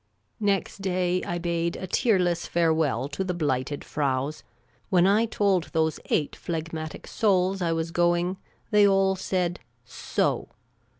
Next day I bade a tearless farewell to the Blighted Fraus, When I told those eight phlegmatic souls I was going, they all said "So